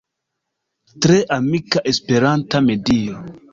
Tre amika Esperanta medio.